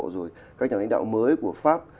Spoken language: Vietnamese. rồi các nhà lãnh đạo mới của pháp